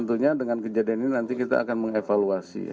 tentunya dengan kejadian ini nanti kita akan mengevaluasi ya